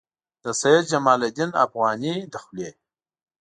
د سید جمال الدین افغاني له خولې.